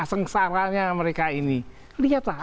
sengsaranya mereka ini lihatlah